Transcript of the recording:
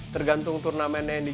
tergantung turnamennya yang dikira